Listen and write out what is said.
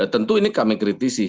tentu ini kami kritisi